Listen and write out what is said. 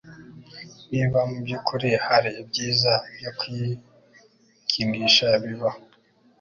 niba mubyukuri hari ibyiza byo kwinisha bibaho ,